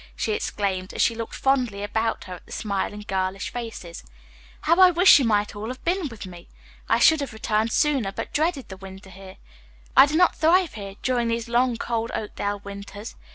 she exclaimed, as she looked fondly about her at the smiling, girlish faces. "How I wish you might all have been with me. I should have returned sooner, but dreaded the winter here. I do not thrive here during these long, cold Oakdale winters.